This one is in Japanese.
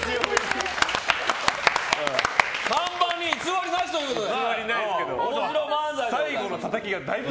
看板に偽りないということで。